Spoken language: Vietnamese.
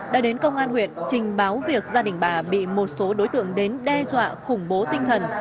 đã đến công an huyện trình báo việc gia đình bà bị một số đối tượng đến đe dọa khủng bố tinh thần